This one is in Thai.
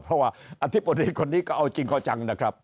เพราะว่าอธิบดีคนนี้ก็เอาจริงเอาจังนะครับ